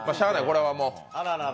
これはもう。